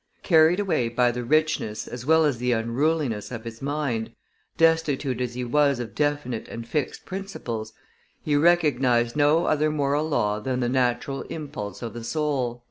Carried away by the richness as well as the unruliness of his mind, destitute as he was of definite and fixed principles, he recognized no other moral law than the natural impulse of the soul.